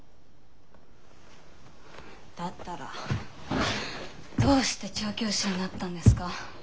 だったらどうして調教師になったんですか？